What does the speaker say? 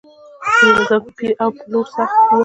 په دې نظام کې پیر او پلور سخت و.